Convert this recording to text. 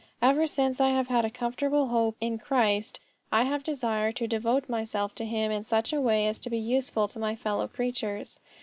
Ever since I have had a comfortable hope in Christ, I have desired to devote myself to him in such a way as to be useful to my fellow creatures.